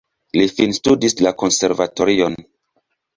Li finstudis la konservatorion.